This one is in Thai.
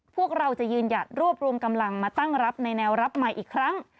พวกเราจะยืนหยัดรวบรวมกำลังมาตั้งรับในแนวรับใหม่อีกครั้ง